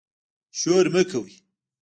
شور مه کوئ